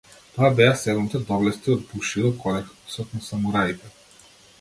Тоа беа седумте доблести од бушидо кодексот на самураите.